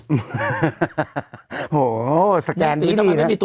โหแสกแกนดีนะ